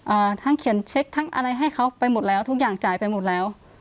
ทั้งเขียนเช็คทั้งอะไรให้เขาไปหมดแล้วทุกอย่างจ่ายไปหมดแล้ว